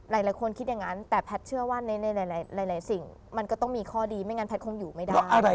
หลายคนคิดอย่างนั้นแต่แพทย์เชื่อว่าในหลายสิ่งมันก็ต้องมีข้อดีไม่งั้นแพทย์คงอยู่ไม่ได้